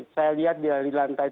saya lihat di lantai